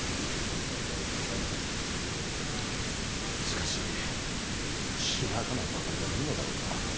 しかし平仮名ばかりでいいのだろうか。